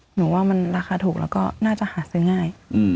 หนูว่ามันราคาถูกแล้วก็น่าจะหาซื้อง่าย